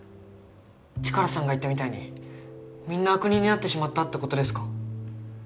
チカラさんが言ったみたいにみんな悪人になってしまったって事ですか？